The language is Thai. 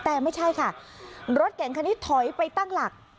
แต่ไม่ใช่ค่ะรถเก่งคันนี้ถอยไปตั้งหลัก